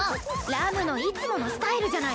ラムのいつものスタイルじゃないの。